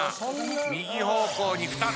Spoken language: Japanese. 右方向に２つ。